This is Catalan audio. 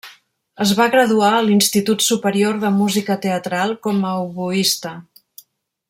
Es va graduar a l'Institut Superior de Música Teatral com a oboista.